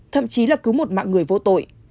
thậm chí là cứu một mạng người vô tội